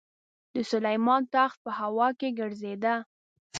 د سلیمان تخت به په هوا کې ګرځېده.